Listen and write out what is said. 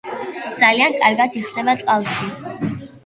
ძალიან კარგად იხსნება წყალში.